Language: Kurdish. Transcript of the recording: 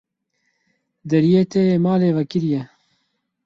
Deriyê te yê malê vekirî ye.